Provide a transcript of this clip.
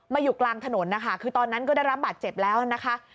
อยู่กลางถนนนะคะคือตอนนั้นก็ได้รับบาดเจ็บแล้วนะคะ